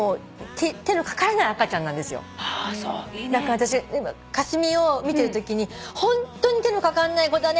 私香澄を見てるときにホントに手のかかんない子だね